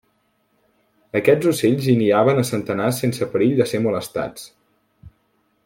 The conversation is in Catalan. Aquests ocells hi niaven a centenars sense perill de ser molestats.